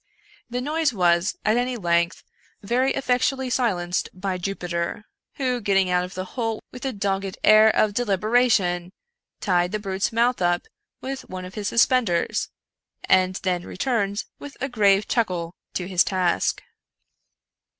The noise was, at length, very effectually silenced by Jupiter, who, getting out of the hole with a dogged air of de liberation, tied the brute's mouth up with one of his suspenders, and then returned, with a grave chuckle, to his task.